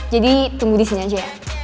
jadi tunggu disini aja ya